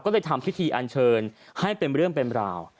ก็เลยทำพิธีอันเชิญให้เป็นเรื่องเป็นราว